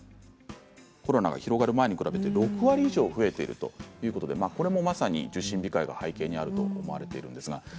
コロナが広がる前に比べて６割以上増えているということでコロナで受診控えが背景にあると思われています。